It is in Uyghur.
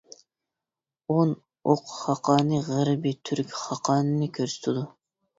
ئون ئوق خاقانى-غەربىي تۈرك خاقانىنى كۆرسىتىدۇ.